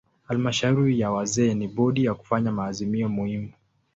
Halmashauri ya wazee ni bodi ya kufanya maazimio muhimu.